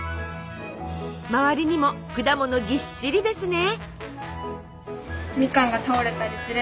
まわりにも果物ぎっしりですね。